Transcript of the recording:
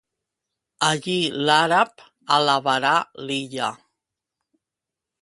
Allí l'àrab, alabarà l'illa.